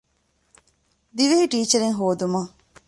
ދިވެހި ޓީޗަރެއް ހޯދުމަށް